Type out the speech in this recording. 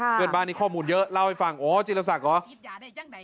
เพื่อนบ้านนี้ข้อมูลเยอะเล่าให้ฟังอ๋อจิลศักดิ์เหรอ